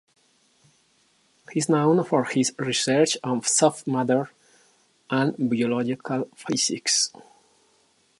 He is known for his research on Soft matter and Biological Physics.